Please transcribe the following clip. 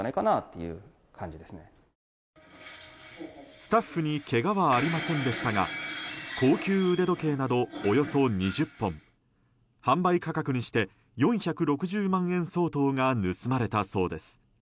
スタッフにけがはありませんでしたが高級腕時計など、およそ２０本販売価格にして４６０万円相当が盗まれたそうです。